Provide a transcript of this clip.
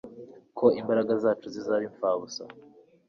ko imbaraga zacu zizaba impfabusa